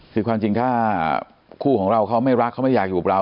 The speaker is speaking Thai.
คือความจริงถ้าคู่ของเราเขาไม่รักเขาไม่อยากอยู่กับเรา